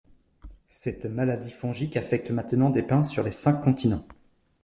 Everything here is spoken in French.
Cette maladie fongique affecte maintenant des pins sur les cinq continents.